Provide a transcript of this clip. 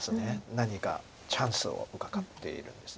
何かチャンスをうかがっているんです